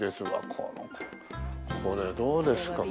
このこれどうですか？